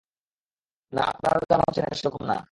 না, আপনারা যা ভাবছেন এটা সেরকম না।